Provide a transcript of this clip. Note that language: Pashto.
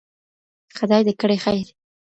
خداى دي كړي خير